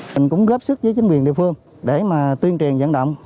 mình cũng góp sức với chính quyền địa phương để mà tuyên truyền dẫn động